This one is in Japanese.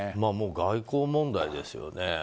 もう外交問題ですよね。